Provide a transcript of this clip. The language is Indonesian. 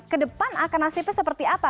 kedepan akan nasibnya seperti apa